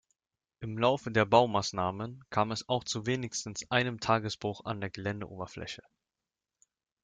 Im Laufe der Baumaßnahmen kam es auch zu wenigstens einem Tagesbruch an der Geländeoberfläche.